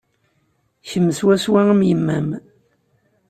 Kemm swaswa am yemma-m.